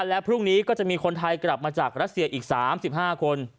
และพรุ่งนี้ก็จะมีคนไทยกลับมาจากรัสเซียอีก๓๕คน